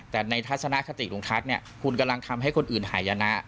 แต่ในทัศนคติลุงทัศน์เนี่ยคุณกำลังทำให้คนอื่นหายนะ